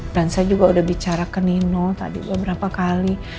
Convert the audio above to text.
dan saya juga sudah bicara ke nino tadi beberapa kali